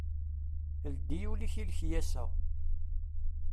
Ldi ul-ik i lekyasa.